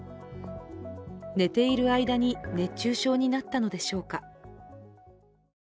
寝ている間に熱中症になったのでしょうか。